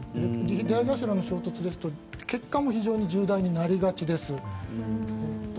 出合い頭の衝突ですと結果も非常に重大になりがちです。